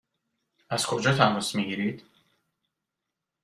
از کجا تماس می گیرید؟